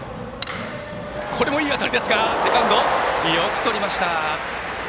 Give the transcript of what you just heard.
これもいい当たりですがセカンドよくとりました。